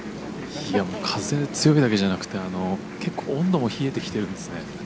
いやもう風が強いだけじゃなくて結構温度も冷えてきてるんですね。